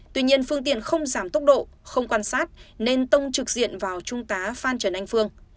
tuy nhiên phương tiện không giảm tốc độ không quan sát nên tông trực diện vào trung tá phan trần anh phương